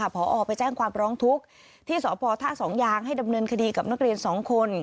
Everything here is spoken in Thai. พอไปแจ้งความร้องทุกข์ที่สพท่าสองยางให้ดำเนินคดีกับนักเรียน๒คน